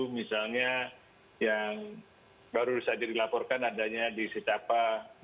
misalnya yang baru saja dilaporkan adanya di sitapa